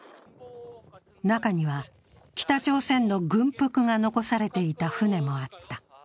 中には、北朝鮮の軍服が残されていた船もあった。